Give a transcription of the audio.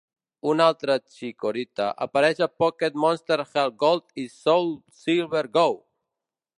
Un altre Chikorita apareix a Pocket Monsters HeartGold i SoulSilver Go!